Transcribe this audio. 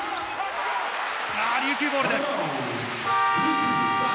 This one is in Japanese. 琉球ボールです。